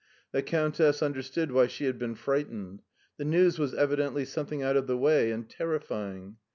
The Cotmtess understood why she had been fright ened.' The news was evidently something out of the way and terrifying.